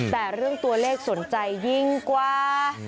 แต่เรื่องตัวเลขสนใจยิ่งกว่า